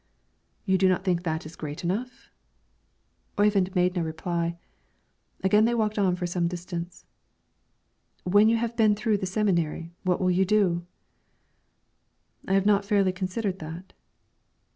"You do not think that is great enough?" Oyvind made no reply. Again they walked on for some distance. "When you have been through the seminary, what will you do?" "I have not fairly considered that."